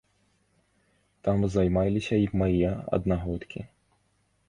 Там займаліся і мае аднагодкі.